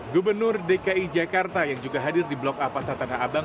gubernur dki jakarta yang juga hadir di blok a pasar tanah abang